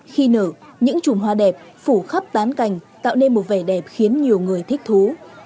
khi nở những trùm hoa đẹp phủ khắp tán cành tạo nên một vẻ đẹp khiến nhiều người thích thú